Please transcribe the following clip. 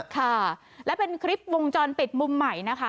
ค่ะและเป็นคลิปวงจรปิดมุมใหม่นะคะ